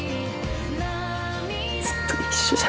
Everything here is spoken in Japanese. ずっと一緒じゃ。